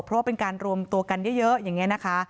เพราะว่าเป็นการรวมตัวกันเยอะอย่างนี้นะคะ